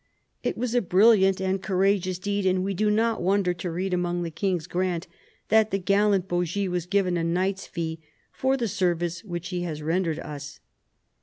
It was a brilliant and courageous deed, and we do not wonder to read among the king's grants that the gallant Bogis was given a knight's fee "for the service which he has rendered us."